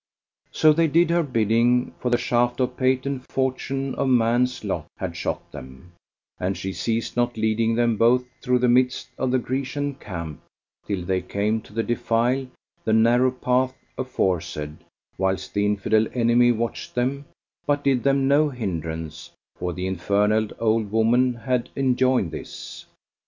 So they did her bidding, for the shaft of Pate and Fortune of man's lot had shot them, and she ceased not leading them both through the midst of the Grecian camp, till they came to the defile, the narrow pass aforesaid, whilst the Infidel enemy watched them, but did them no hindrance; for the infernal old woman had enjoined this.